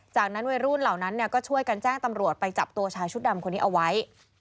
จากนั้นวัยรุ่นเหล่านั้นก็ช่วยกันแจ้งตำรวจไปจับตัวชายชุดดำคนนี้เอาไว้